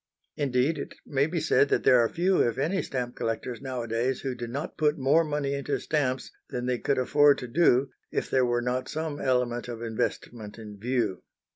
Indeed, it may be said that there are few, if any, stamp collectors nowadays who do not put more money into stamps than they could afford to do if there were not some element of investment in view.